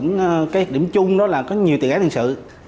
nên có nhiều tiền án liên sự